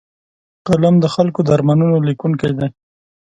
قلم د خلکو د ارمانونو لیکونکی دی